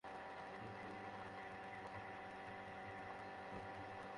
তবে ফেব্রুয়ারির মাঝামাঝি সময় থেকে অবরোধ-হরতাল সারা দেশে অনেকটা অকার্যকর হয়ে পড়ে।